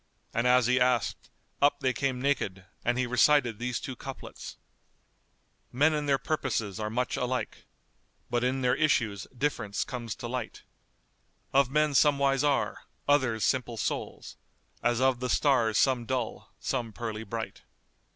and as he asked, up they came naked; and he recited these two couplets[FN#211]:— Men in their purposes are much alike, * But in their issues difference comes to light: Of men some wise are, others simple souls; * As of the stars some dull, some pearly bright.